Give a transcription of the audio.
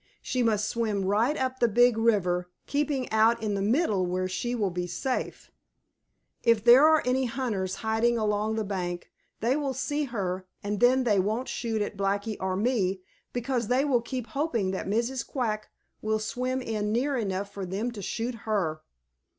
She must swim right up the Big River, keeping out in the middle where she will be safe. If there are any hunters hiding along the bank, they will see her, and then they won't shoot at Blacky or me because they will keep hoping that Mrs. Quack will swim in near enough for them to shoot her.